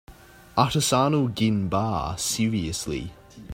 Artisanal gin bar, seriously?!